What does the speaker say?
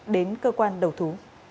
đến cơ quan đầu thú